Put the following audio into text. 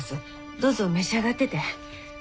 どうぞ召し上がってて。